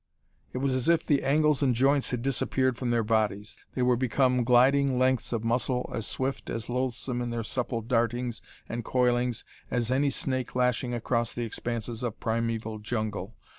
It was as if the angles and joints had disappeared from their bodies. They were become gliding lengths of muscle as swift, as loathsome in their supple dartings and coilings as any snake lashing across the expanses of primeval jungle.